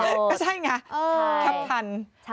ก็ใช่ไงแคปทัน